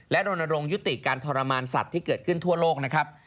และรณรงค์ยุติการทรมานสัตว์ที่เกิดขึ้นทั่วโลกนะครับ